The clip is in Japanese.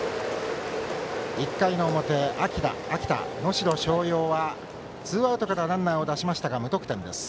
１回の表、秋田・能代松陽はツーアウトからランナーを出しましたが無得点です。